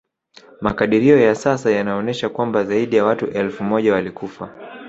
Makadirio ya sasa yanaonesha kwamba zaidi ya watu elfu moja walikufa